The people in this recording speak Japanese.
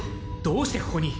どうしてここに。